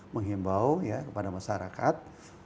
menghimbau kepada masyarakat